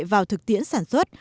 vào thực tiễn sản xuất